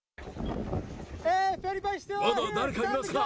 まだ誰かいますか？